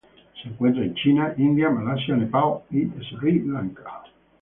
Se encuentra en China, India, Malasia, Nepal y Sri Lanka.